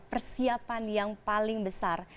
persiapan yang paling besar